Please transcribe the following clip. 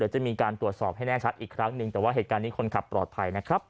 ให้แน่ชัดอีกครั้งนึงแต่ว่าเหตุการณ์นี้คนขับปลอดภัยนะครับ